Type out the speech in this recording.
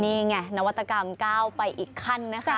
นี่ไงนวัตกรรมก้าวไปอีกขั้นนะคะ